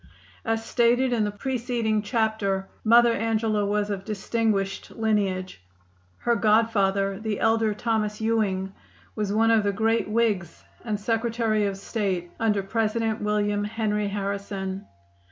As stated in the preceding chapter Mother Angela was of distinguished lineage. Her godfather, the elder Thomas Ewing, was one of the great Whigs and Secretary of State under President William Henry Harrison.